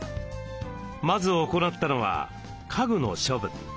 まず行ったのは家具の処分。